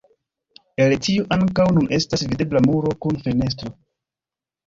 El tio ankaŭ nun estas videbla muro kun fenestro.